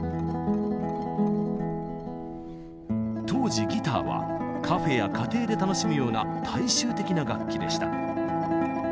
当時ギターはカフェや家庭で楽しむような大衆的な楽器でした。